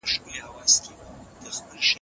ملا په کوټه کې یوازې پاتې شو.